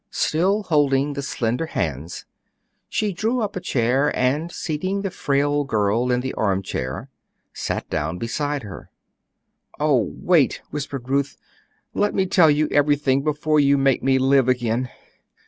Still holding the slender hands, she drew up a chair, and seating the frail girl in the armchair, sat down beside her. "Oh, wait!" whispered Rose; "let me tell you everything before you make me live again."